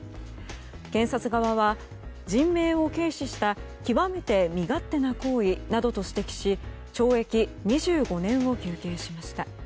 検察側は、人命を軽視した極めて身勝手な行為などと指摘し懲役２５年を求刑しました。